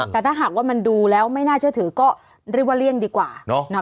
แต่ถ้าหากว่ามันดูแล้วไม่น่าเชื่อถือก็เรียกว่าเลี่ยงดีกว่า